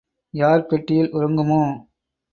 யார் பெட்டியில் உறங்குமோ?